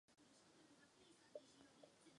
Při ustavení právnické osoby se určí její sídlo.